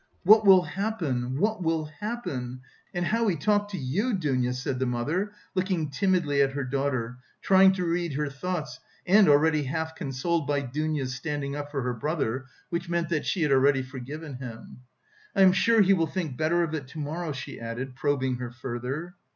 What will happen, what will happen? And how he talked to you, Dounia!" said the mother, looking timidly at her daughter, trying to read her thoughts and, already half consoled by Dounia's standing up for her brother, which meant that she had already forgiven him. "I am sure he will think better of it to morrow," she added, probing her further.